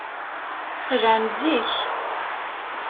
Qelɛen zik.